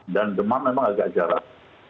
dan demam memang agak jarak